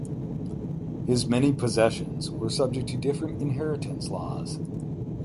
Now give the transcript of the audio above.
His many possessions were subject to different inheritance laws.